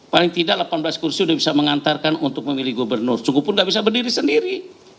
paling tidak delapan belas kursi sudah bisa mengantarkan untuk memilih gubernur suku pun nggak bisa berdiri sendiri